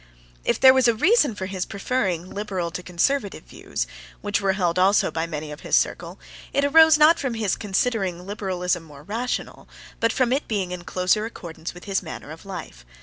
If there was a reason for his preferring liberal to conservative views, which were held also by many of his circle, it arose not from his considering liberalism more rational, but from its being in closer accordance with his manner of life.